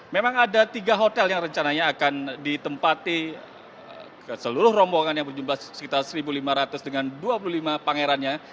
memang ada tiga hotel yang rencananya akan ditempati seluruh rombongan yang berjumlah sekitar satu lima ratus dengan dua puluh lima pangerannya